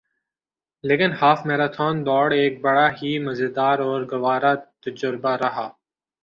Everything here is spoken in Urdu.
لیکن ہاف میراتھن دوڑ ایک بڑا ہی مزیدار اور گوارہ تجربہ رہا